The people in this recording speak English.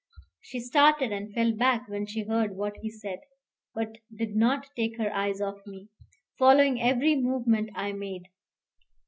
She started and fell back when she heard what he said, but did not take her eyes off me, following every movement I made.